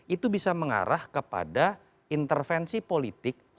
itu bisa mengarah kepada intervensi politik